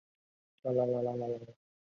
共晶系统或共熔系统。